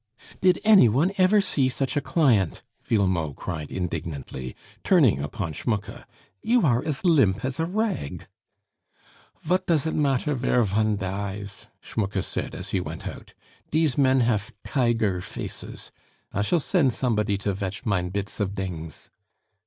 "Did any one ever see such a client!" Villemot cried indignantly, turning upon Schmucke. "You are as limp as a rag " "Vat dos it matter vere von dies?" Schmucke said as he went out. "Dese men haf tiger faces.... I shall send somebody to vetch mein bits of dings."